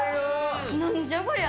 なんじゃこりゃ。